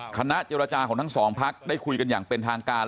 คณะเจรจาของทั้งสองพักได้คุยกันอย่างเป็นทางการ